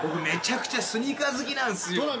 めちゃくちゃスニーカー好きなんすよ。